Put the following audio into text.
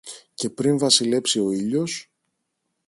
και πριν βασιλέψει ο ήλιος